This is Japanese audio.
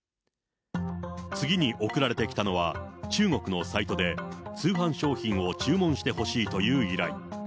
次に送られてきたのは、中国のサイトで、通販商品を注文してほしいという依頼。